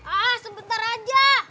ah sebentar aja